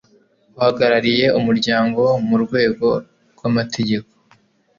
uhagarariye umuryango mu rwego rw amategeko